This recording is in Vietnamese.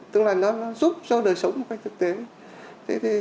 tức là nó giúp cho đời sống một cách thực tế